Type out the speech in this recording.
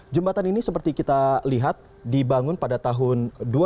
jembatan ini seperti kita lihat dibangun pada tahun dua ribu